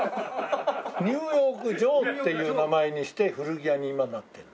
「ニューヨークジョー」っていう名前にして古着屋に今なってるの。